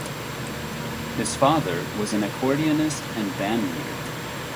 His father was an accordionist and bandleader.